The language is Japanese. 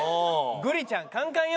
グリちゃんカンカンよ？